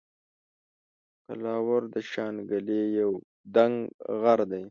قلاور د شانګلې یو دنګ غر دے